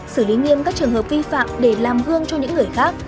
xử lý nghiêm các trường hợp vi phạm để làm gương cho những người khác